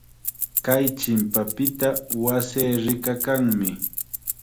Kay chimpapita wasii rikakanmi.